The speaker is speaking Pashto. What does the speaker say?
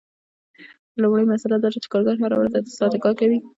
لومړۍ مسئله دا ده چې کارګر هره ورځ اته ساعته کار کوي